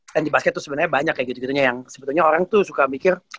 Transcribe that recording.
stand di basket tuh sebenarnya banyak kayak gitu gitunya yang sebetulnya orang tuh suka mikir